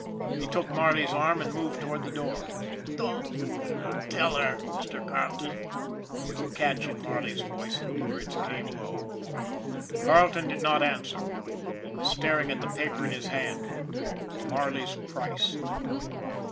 He took Marley's arm and moved toward the door. " Don't tell her, Mr. Carleton " there was a catch in Marley's voice, and the words came low. Carleton did not answer. He was staring at the paper in his hand Marley's price.